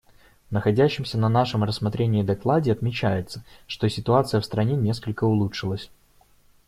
В находящемся на нашем рассмотрении докладе отмечается, что ситуация в стране несколько улучшилась.